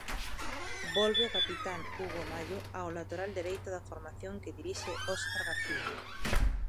Volve o capitán Hugo Mallo ao lateral dereito da formación que dirixe Óscar García.